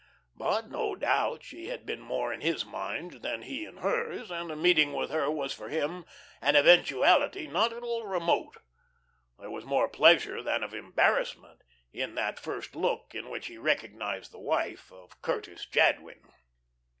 But, no doubt, she had been more in his mind than he in hers, and a meeting with her was for him an eventuality not at all remote. There was more of pleasure than of embarrassment in that first look in which he recognised the wife of Curtis Jadwin.